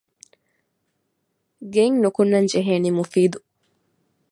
ގެއިން ނުކުންނަން ޖެހޭނީ މުފީދު